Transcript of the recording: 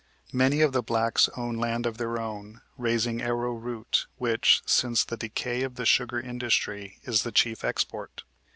Many of the blacks own land of their own, raising arrow root, which, since the decay of the sugar industry, is the chief export.